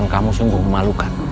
yang kamu sungguh memalukan